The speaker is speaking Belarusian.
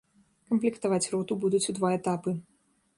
Камплектаваць роту будуць у два этапы.